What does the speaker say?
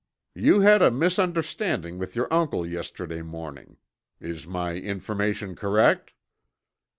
"You had a misunderstanding with your uncle yesterday morning. Is my information correct?"